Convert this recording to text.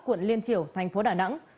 quận liên triều thành phố đà nẵng